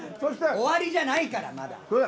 終わりじゃないから！